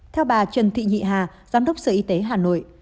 theo bà trần thị nhị hà giám đốc sở y tế hà nội